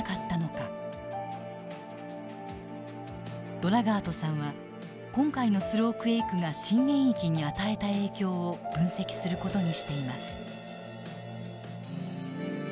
ドラガートさんは今回のスロークエイクが震源域に与えた影響を分析する事にしています。